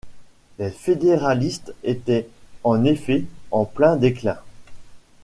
Les fédéralistes étaient en effet en plein déclin.